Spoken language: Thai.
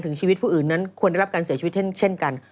ชีวิตผู้อื่นนั้นควรได้รับการเสียชีวิตเช่นกัน